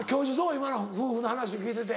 今の夫婦の話聞いてて。